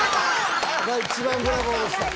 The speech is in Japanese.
一番ブラボーでした。